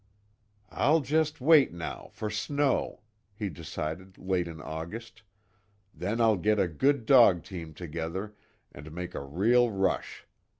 "I'll just wait now, for snow," he decided late in August. "Then I'll get a good dog team together, and make a real rush.